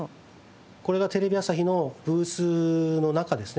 これがテレビ朝日のブースの中ですね。